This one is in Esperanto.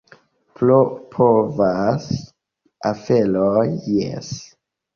Pro povaj aferoj, jes.